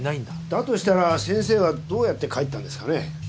だとしたら先生はどうやって帰ったんですかね。